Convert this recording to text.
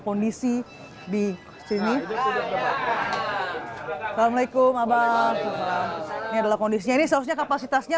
kondisi di sini assalamualaikum abang ini adalah kondisinya ini seharusnya kapasitasnya